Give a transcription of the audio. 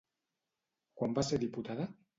Quan va ser diputada?